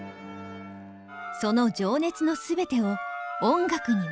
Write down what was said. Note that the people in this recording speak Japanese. その情熱のすべてを音楽に燃やす。